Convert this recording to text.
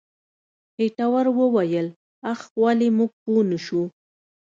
خېټور وويل اخ ولې موږ پوه نه شو.